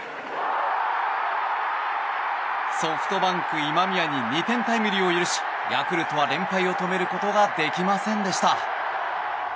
ソフトバンク、今宮に２点タイムリーを許しヤクルトは連敗を止めることができませんでした。